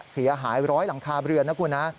เสียหาย๑๐๐หลังคาเรือนนะคุณ